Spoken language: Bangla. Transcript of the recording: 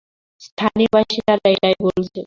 স্থানীয় বাসিন্দারা এটাই বলছে।